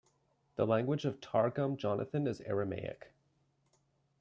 The language of Targum Jonathan is Aramaic.